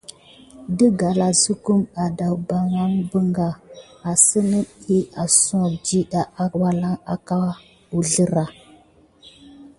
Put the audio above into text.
Də galazukum adawbayan balgam assani, diy askoke dida aka wuzlera.